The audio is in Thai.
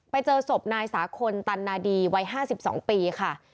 ไปเจอศพนายสาคลตันนาดีวัย๕๒ปีค่ะ